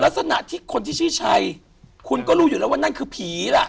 ลักษณะที่คนที่ชื่อชัยคุณก็รู้อยู่แล้วว่านั่นคือผีล่ะ